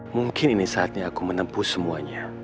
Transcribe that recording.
mungkin ini saatnya aku menempuh semuanya